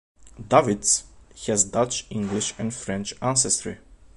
Davidtz has Dutch, English, and French ancestry.